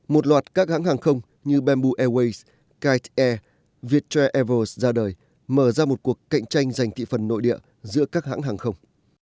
một loạt các hãng hàng không như bamboo airways kite air viettra airbons ra đời mở ra một cuộc cạnh tranh giành thị phần nội địa giữa các hãng hàng không